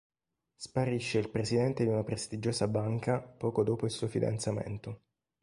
Sparisce il presidente di una prestigiosa banca poco dopo il suo fidanzamento.